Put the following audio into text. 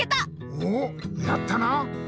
おおやったな！